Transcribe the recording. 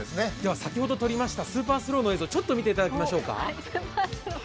先ほどとりましたスーパースローの映像を見てみましょうか。